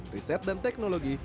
riset dan teknologi